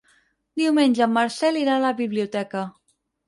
Diumenge en Marcel irà a la biblioteca.